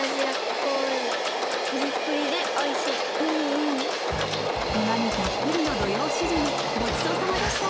うんうま味たっぷりの土用シジミごちそうさまでした